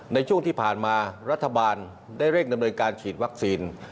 ในช่วงที่ผ่านมารัฐบาลได้เร่งดำเนินการฉีดวัคซีน